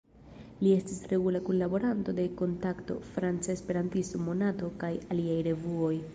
Li estis regula kunlaboranto de "Kontakto," "Franca Esperantisto", "Monato" kaj aliaj revuoj.